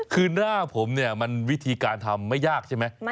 คือหน้าผมเนี่ยมันวิธีการทำไม่ยากใช่ไหม